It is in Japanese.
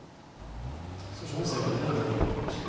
少し音声が乱れた部分がありました。